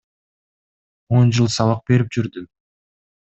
Он жыл сабак берип жүрдүм.